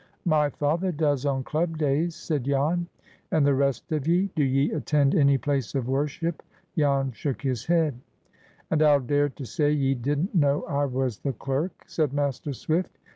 "My father does on club days," said Jan. "And the rest of ye,—do ye attend any place of worship?" Jan shook his head. "And I'll dare to say ye didn't know I was the clerk?" said Master Swift.